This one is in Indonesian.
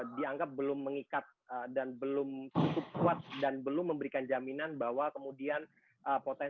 dianggap belum mengikat dan belum cukup kuat dan belum memberikan jaminan bahwa kemudian potensi